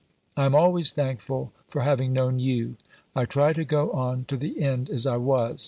I am always thankful for having known you. I try to go on to the end as I was.